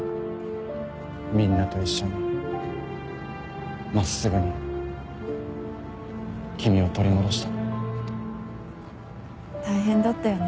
みんなと一緒に真っすぐに君を取り戻した。